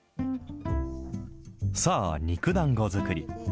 さあ、肉だんご作り。